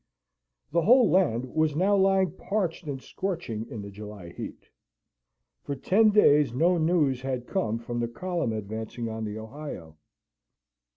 The whole land was now lying parched and scorching in the July heat. For ten days no news had come from the column advancing on the Ohio.